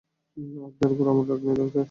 আপনার উপরে আমার রাগ নেই, ডাক্তার।